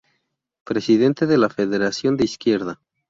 Presidente de la Federación de Izquierda.